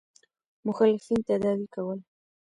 مخالفین تداوي کول.